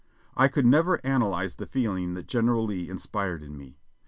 I could never analyze the feeling that General Lee in spired in me.